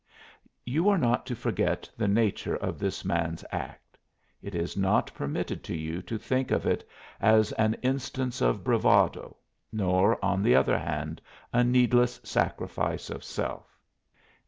You are not to forget the nature of this man's act; it is not permitted to you to think of it as an instance of bravado, nor, on the other hand, a needless sacrifice of self.